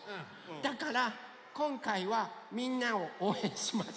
だからこんかいはみんなをおうえんします。